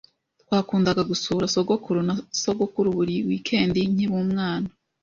Twakundaga gusura sogokuru na sogokuru buri wikendi nkiri umwana.